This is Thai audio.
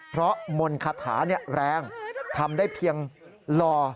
เพราะมนต์คาถาแรงทำได้เพียงหล่อ